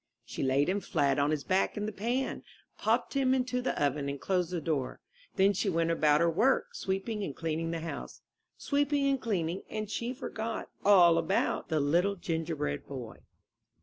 She laid him flat on his back in the pan, popped him into the oven and closed the door; then she went about her work, sweeping and cleaning the house — sweeping and cleaning, and she forgot all about the Little Gingerbread Boy.